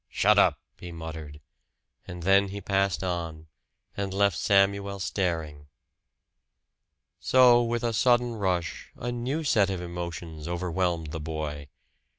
"Shut up!" he muttered; and then he passed on, and left Samuel staring. So with a sudden rush, a new set of emotions overwhelmed the boy.